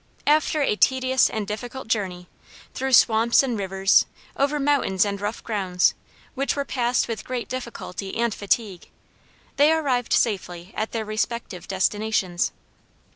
After a tedious and difficult journey through swamps and rivers, over mountains and rough grounds, which were passed with great difficulty and fatigue, they arrived safely at their respective destinations.